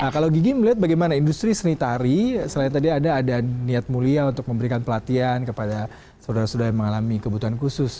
kalau gigi melihat bagaimana industri seni tari selain tadi ada ada niat mulia untuk memberikan pelatihan kepada saudara saudara yang mengalami kebutuhan khusus